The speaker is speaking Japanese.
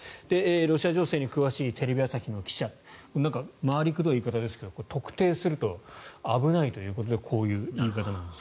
ロシア情勢に詳しいテレビ朝日の記者回りくどい言い方ですが特定すると、危ないということでこういう言い方なんです。